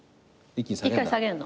一回下げるの。